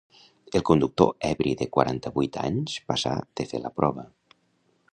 El conductor ebri de quaranta-vuit anys passà de fer la prova.